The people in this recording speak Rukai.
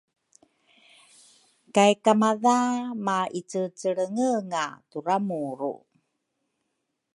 kay kamadha maicecelengenga turamuru.